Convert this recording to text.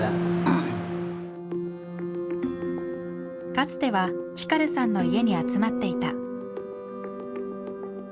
かつてはフィカルさんの家に集まっていた。